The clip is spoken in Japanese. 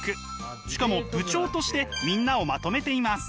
しかも部長としてみんなをまとめています。